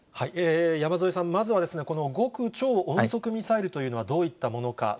山添さん、まずは、この極超音速ミサイルというのは、どういったものか。